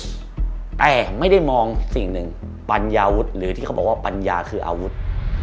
แต่ไม่ได้มองสิ่งหนึ่งปัญญาวุฒิหรือที่เขาบอกว่าปัญญาคืออาวุธ